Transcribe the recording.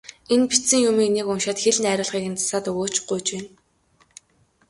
Энэ бичсэн юмыг нэг уншаад хэл найруулгыг нь засаад өгөөч, гуйж байна.